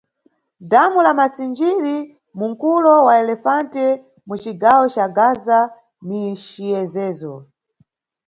Dhamu la Massingiri, mu mkulo wa Elefante, mu cigawo ca Gaza ni ciyezezo.